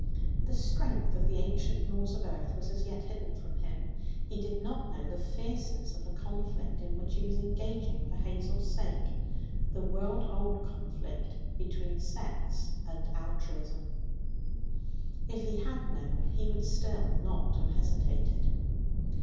The strength of the ancient laws of earth was as yet hidden from him. He did not know the fierceness of the conflict in which he was engaging for Hazel's sake the world old conflict between sex and altruism. If he had known, he would still not have hesitated.